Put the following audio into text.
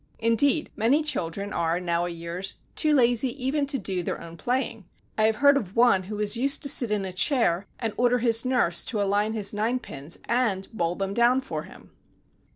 Indeed, many children are nowayears too lazy even to do their own playing. I have heard of one who was used to sit on a chair and order his nurse to align his ninepins and bowl them down for him!